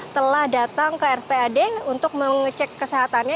telah datang ke rspad untuk mengecek kesehatannya